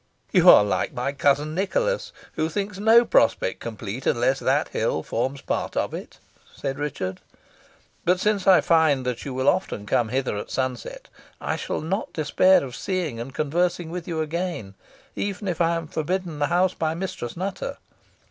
"You are like my cousin Nicholas, who thinks no prospect complete unless that hill forms part of it," said Richard; "but since I find that you will often come hither at sunset, I shall not despair of seeing and conversing with you again, even if I am forbidden the house by Mistress Nutter.